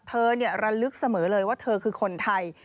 ระลึกเสมอเลยว่าเธอคือคนไทย